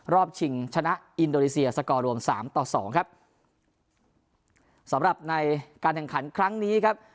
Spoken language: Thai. ชิงชนะอินโดนีเซียสกอร์รวมสามต่อสองครับสำหรับในการแข่งขันครั้งนี้ครับ